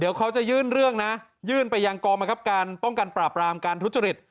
เดี๋ยวเขาจะยื่นเรื่องนะยื่นไปยังกองบังคับการป้องกันปราบรามการทุจริต